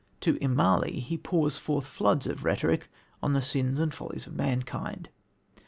To Immalee he pours forth floods of rhetoric on the sins and follies of mankind.